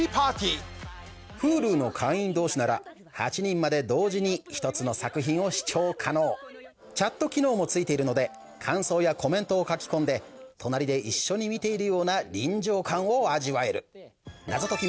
Ｈｕｌｕの会員同士なら８人まで同時に１つの作品を視聴可能チャット機能も付いているので感想やコメントを書き込んで隣で一緒に見ているような臨場感を味わえる謎解き